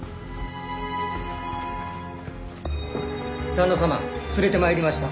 旦那様連れてまいりました。